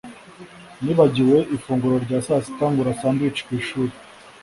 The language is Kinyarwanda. Nibagiwe ifunguro rya sasita ngura sandwich ku ishuri.